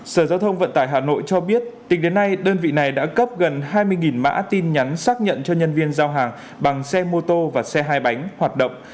sở giao thông vận tải hà nội cho biết tính đến nay đơn vị này đã cấp gần hai mươi mã tin nhắn xác nhận cho nhân viên giao hàng bằng xe mô tô và xe hai bánh hoạt động